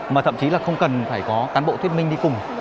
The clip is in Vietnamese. mà thậm chí là không cần phải có cán bộ thuyết minh đi cùng